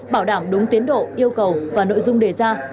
bảo đảm đúng tiến độ yêu cầu và nội dung đề ra